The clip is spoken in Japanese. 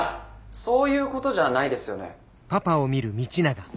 そういうことじゃないですよね。